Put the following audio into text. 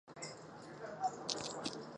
至和二年充镇海军节度使判亳州。